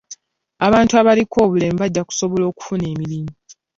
Abantu abaliko obulemu bajja kusobola okufuna emirimu.